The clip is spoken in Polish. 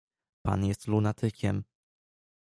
"Pan jest lunatykiem."